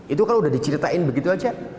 itu kalau sudah diceritakan begitu saja